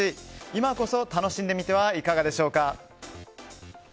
今こそ楽しんでみてはいかがでしょうか？